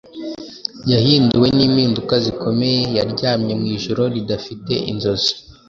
Yahinduwe nimpinduka zikomeye Yaryamye mwijoro ridafite inzozi.